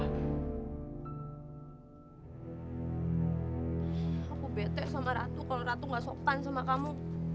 ibu bete sama ratu kalau ratu nggak sopan sama kamu